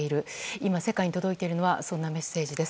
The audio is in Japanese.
今、世界に届いているのはそんなメッセージです。